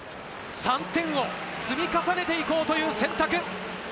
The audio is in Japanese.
３点を積み重ねていこうという選択。